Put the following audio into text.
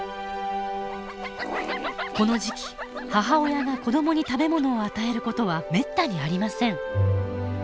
この時期母親が子どもに食べ物を与えることはめったにありません。